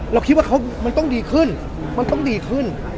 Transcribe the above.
เราคิดว่ามันต้องดีขึ้นมันต้องดีขึ้น